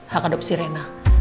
hak adopsi rena